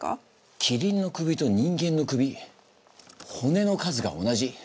キリンの首と人間の首骨の数が同じ？